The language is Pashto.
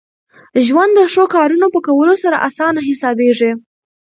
ژوند د ښو کارونو په کولو سره اسانه حسابېږي.